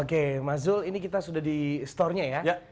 oke mas zul ini kita sudah di store nya ya